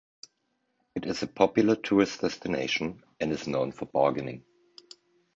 It is a popular tourist destination, and is known for bargaining.